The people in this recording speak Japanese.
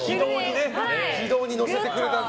軌道に乗せてくれた。